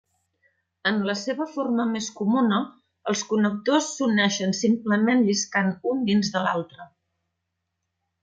En la seva forma més comuna els connectors s'uneixen simplement lliscant un dins de l'altre.